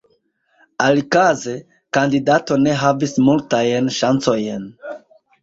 Alikaze, kandidato ne havis multajn ŝancojn.